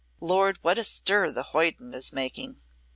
Lord, what a stir the hoyden is making!"